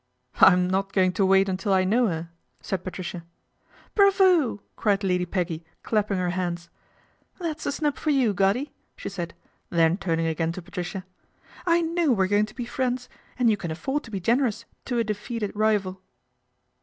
"I'm not going to wait until I know her," said Patricia. ' Bravo !" cried Lady Peggy, clapping her hands. ' That's a snub for you, Goddy," she said, then turning again to Patricia, " I know we're going to be friends, and you can afford to be generous to a defeated rival."